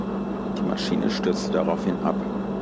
Die Maschine stürzte darauf hin ab.